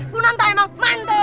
kunanta emang mantun